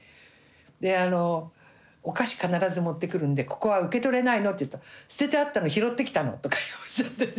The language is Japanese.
であのお菓子必ず持ってくるんで「ここは受け取れないの」って言うと「捨ててあったの拾ってきたの」とかおっしゃってね